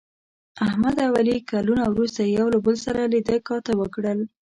احمد او علي کلونه وروسته یو له بل سره لیده کاته وکړل.